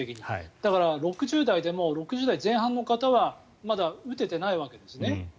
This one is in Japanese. だから、６０代でも６０代前半の方はまだ打ててないわけですね。